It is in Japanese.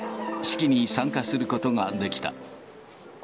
式に参加することができた。